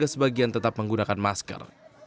namun keluarga sebagian tetap menggunakan masker